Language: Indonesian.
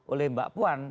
oleh mbak puan